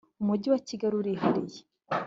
- umujyi wa kigali urihariye